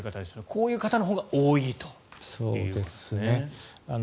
こういう方のほうが多いということですね。